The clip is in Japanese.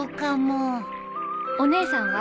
お姉さんは？